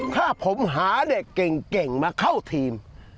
ถ้าผมหาเด็กเก่งมาเข้าทีม